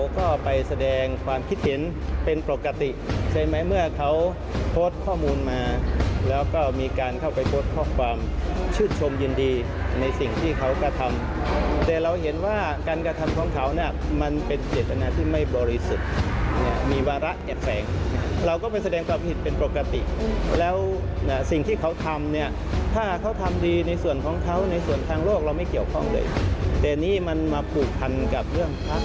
มีการเข้าไปพบข้อความชื่นชมยินดีในสิ่งที่เขากระทำแต่เราเห็นว่าการกระทำของเขาน่ะมันเป็นเจตนาที่ไม่บริสุทธิ์เนี่ยมีบางอย่างที่มันเป็นเจตนาที่ไม่บริสุทธิ์เนี่ยมีบางอย่างที่มันเป็นเจตนาที่ไม่บริสุทธิ์เนี่ยมีบางอย่างที่มันเป็นเจตนาที่ไม่บริสุทธิ์เนี่ยมีบางอย่าง